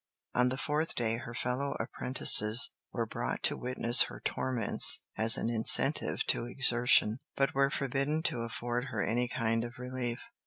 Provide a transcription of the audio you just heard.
On the fourth day her fellow apprentices were brought to witness her torments as an incentive to exertion, but were forbidden to afford her any kind of relief.